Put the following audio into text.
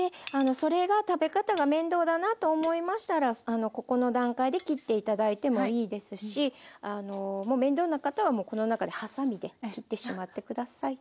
それが食べ方が面倒だなと思いましたらあのここの段階で切って頂いてもいいですしもう面倒な方はもうこの中でハサミで切ってしまって下さい。